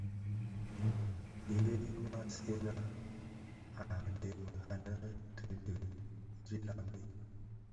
Yë vansina a dhemi annë tii dhi bitilag mii,